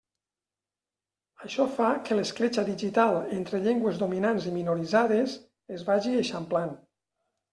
Això fa que l'escletxa digital entre llengües dominants i minoritzades es vagi eixamplant.